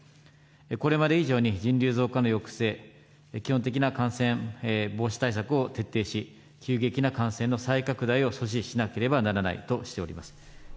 これまで以上に人流増加の抑制、基本的な感染防止対策を徹底し、急激な感染の再拡大を阻止しなければならないとしております。